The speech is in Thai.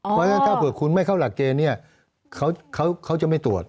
เพราะฉะนั้นถ้าเผื่อคุณไม่เข้าหลักเกณฑ์เนี่ยเขาจะไม่ตรวจ